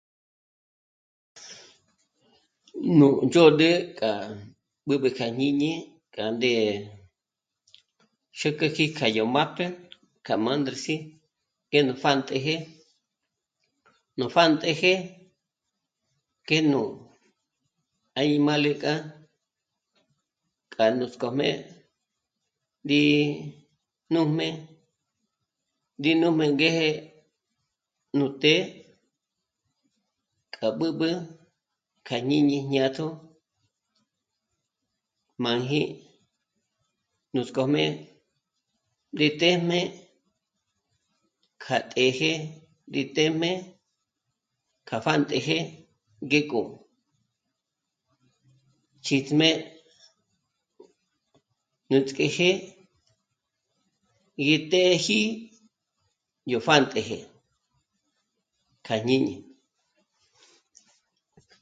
Nú ndzhód'ü k'a b'ǚb'ü kja jñíñi k'a ndé xä̀käji k'a yò májp'e k'a má ndús'i ín pjánt'ëjë, nú pjánt'eje k'e nú añimále k'a, k'a nútsk'ójmé rí... nújmé ngé nú mèngéje nú të́'ë k'a b'ǚb'ü k'a jñíñi jñátjo máji nutsk'ójmé ngé téjm'e kja t'éje nge téjm'e k'a pjánt'ëjë ngék'o chìtsjmé nutsk'é jé gí t'ěji yó pjánt'ëjë k'a jñíñi